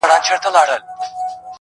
خدای ورکړئ یو سړي ته داسي زوی ؤ,